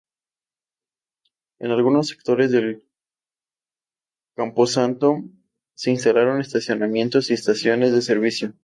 En algunos sectores del camposanto se instalaron estacionamientos y estaciones de servicio.